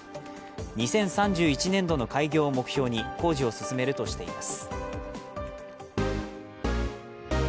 ２０３１年度の開業を目標に工事を進めるとしています。